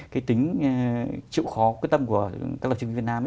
cái tính chịu khó quyết tâm của các lập trình viên việt nam